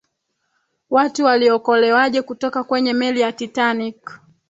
watu waliokolewaje kutoka kwenye meli ya titanic